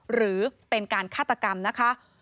หรือเป็นการฆาตกรรมนะคะ